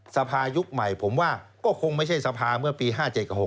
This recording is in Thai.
สภายุคใหม่ผมว่าก็คงไม่ใช่สภาเมื่อปี๕๗กับ๖